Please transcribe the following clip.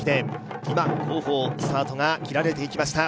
今、号砲、スタートが切られていきました。